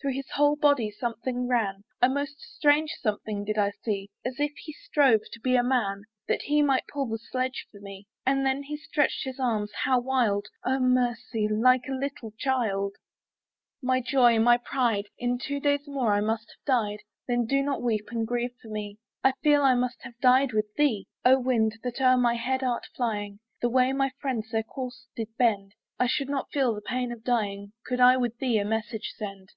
Through his whole body something ran, A most strange something did I see; As if he strove to be a man, That he might pull the sledge for me. And then he stretched his arms, how wild! Oh mercy! like a little child. My little joy! my little pride! In two days more I must have died. Then do not weep and grieve for me; I feel I must have died with thee. Oh wind that o'er my head art flying, The way my friends their course did bend, I should not feel the pain of dying, Could I with thee a message send.